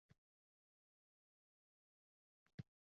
Yo’ldosh aka ko’zimga juda ulkan ko’rinib ketdi.